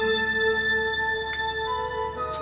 masih apa parah kasih